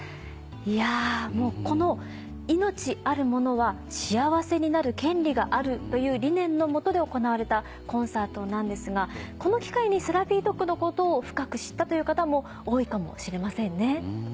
この命あるものは幸せになる権利があるという理念の下で行われたコンサートなんですがこの機会にセラピードッグのことを深く知ったという方も多いかもしれませんね。